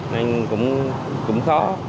nên cũng khó